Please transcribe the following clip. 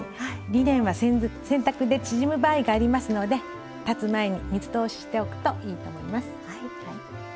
リネンは洗濯で縮む場合がありますので裁つ前に水通ししておくといいと思います。